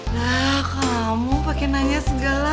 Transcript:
lah kamu pake nanya segala